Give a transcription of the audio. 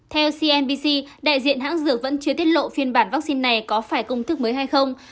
theo cnbc đại diện hãng dược vẫn chưa tiết lộ phiên bản vaccine này có phải công thức mới hay không